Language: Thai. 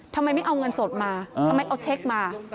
ทำไมไม่เอาเงินสดมาทำไมเอาเช็คมา